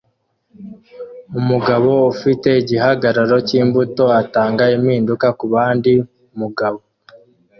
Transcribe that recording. Umugabo ufite igihagararo cyimbuto atanga impinduka kubandi mugabo